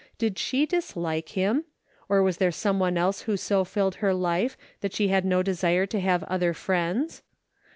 Did she dislike him ? Or was there some one else who so filled her life that she had no desire to have other friends